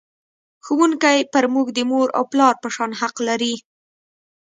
ښوونکی پر موږ د مور او پلار په شان حق لري.